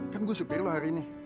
kan gue supir lo hari ini